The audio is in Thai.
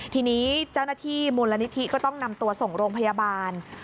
ทีนี้เจ้าหน้าที่มูลนิธิก็ต้องนำตัวส่งโรงพยาบาล